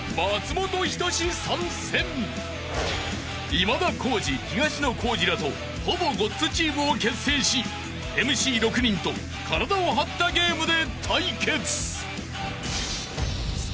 ［今田耕司東野幸治らとほぼごっつチームを結成しＭＣ６人と体を張ったゲームで対決］